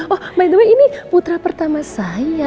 oh my the way ini putra pertama saya